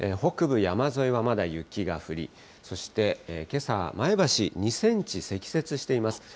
北部山沿いはまだ雪が降り、そしてけさは前橋、２センチ積雪しています。